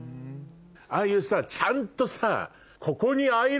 ああいうさちゃんとさ。